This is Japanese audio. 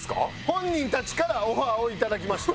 本人たちからオファーを頂きました。